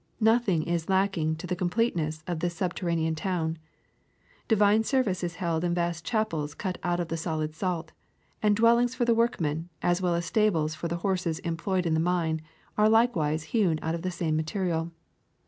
Nothing is lacking to the completeness of this sub terranean town : divine service is held in vast chapels cut out of the solid salt, and dwellings for the work men, as well as stables for the horses employed in the mine, are likewise hewn out of the same material.